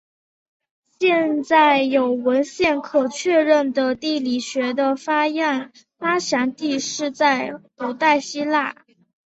现在有文献可确认的地理学的发祥地是在古代希腊。